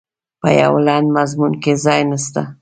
په یوه لنډ مضمون کې ځای نسته.